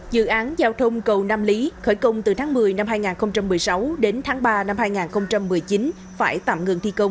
dự án giao thông cầu nam lý khởi công từ tháng một mươi năm hai nghìn một mươi sáu đến tháng ba năm hai nghìn một mươi chín phải tạm ngừng thi công